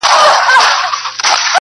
څه مطلب لري سړی نه په پوهېږي!.